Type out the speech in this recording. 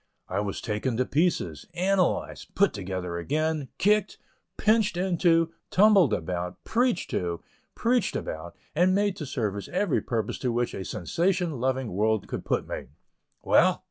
I was taken to pieces, analyzed, put together again, kicked, "pitched into," tumbled about, preached to, preached about, and made to serve every purpose to which a sensation loving world could put me. Well!